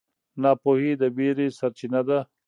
ناپوهي د وېرې سرچینه ده.